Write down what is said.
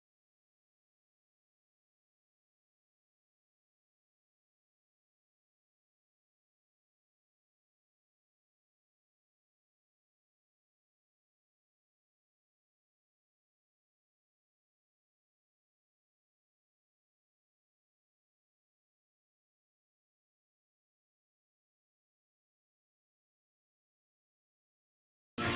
dan saya akan menggunakan kertas yang terbaik di dalam kertas ini